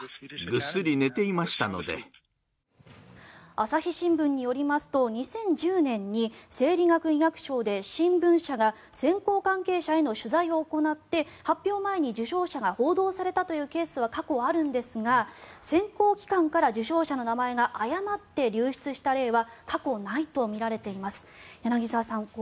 朝日新聞によりますと２０１０年に生理学医学賞で新聞社が選考関係者への取材を行って発表前に受賞者が報道されたというケースは過去にあるんですが選考機関から受賞者の名前が誤って流出した例は過去ないとみられています。